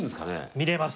見れます！